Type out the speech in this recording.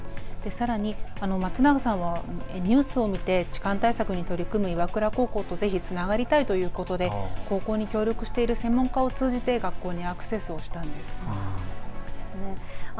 さらに松永さんはニュースを見て痴漢対策に取り組む岩倉高校とつながりたいということで高校に協力している専門家を通じて学校にアクセスをしたんです。